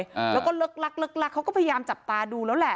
อ่าแล้วก็เลิกลักเลิกลักเขาก็พยายามจับตาดูแล้วแหละ